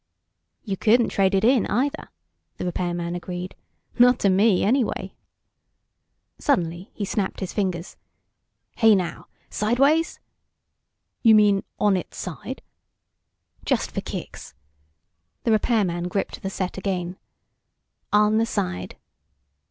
"You couldn't trade it in, either," the repairman agreed. "Not to me, anyway." Suddenly he snapped his fingers. "Hey now. Sideways?" "You mean on its side?" "Just for kicks...." the repairman gripped the set again. "On the side...."